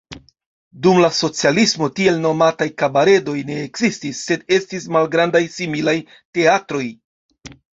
Dum la socialismo tiel nomataj kabaredoj ne ekzistis, sed estis malgrandaj similaj teatroj.